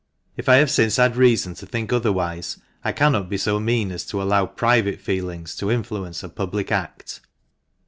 If I have since had reason to think otherwise, I cannot be so mean as to allow private feelings to influence a public act."